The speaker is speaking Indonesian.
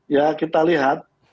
ya kita lihat